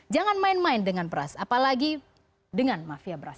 jangan main main dengan beras apalagi dengan mafia beras